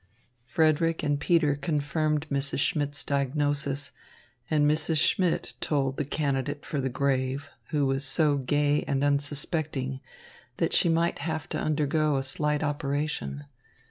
Frederick and Peter confirmed Mrs. Schmidt's diagnosis, and Mrs. Schmidt told the candidate for the grave, who was so gay and unsuspecting, that she might have to undergo a slight operation.